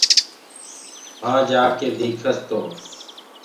وهآنٚ جآڪي ديکس تو